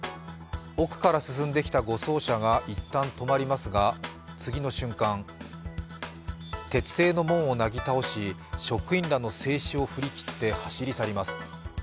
奥から進んできた護送車が一旦止まりますが、次の瞬間、鉄製の門をなぎ倒し、職員らの制止を振り切って走り去ります。